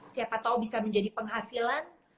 siapa tahu bisa menjadi penghasilan